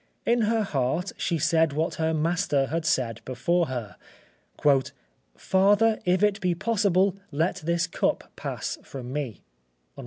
In her heart she said what her Master had said before her: "Father, if it be possible, let this cup pass from me."